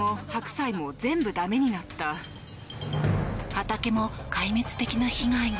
畑も壊滅的な被害に。